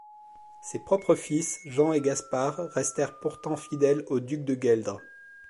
Ses propres fils Jean et Gaspar restèrent pourtant fidèles au duc de Gueldres.